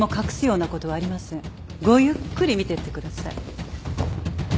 ごゆっくり見てってください。